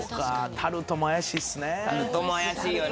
タルトも怪しいよね。